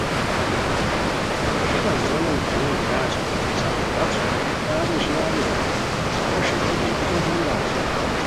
ہے وزیرانان اژیلانتے را اسور کی پِسہ ہے بکسو لوڑی تانتے اشناری گانو، اوا ݰاپیک ژیبیکا دوم را اسور